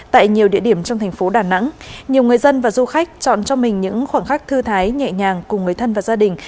tại nhiều địa điểm trong thành phố đà nẵng nhiều người dân và du khách chọn cho mình những khoảnh khắc thư thái nhẹ nhàng cùng người thân và gia đình